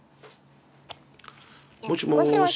もしもし。